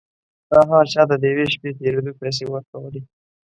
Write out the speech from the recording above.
تا هغه چا ته د یوې شپې تېرېدو پيسې ورکولې.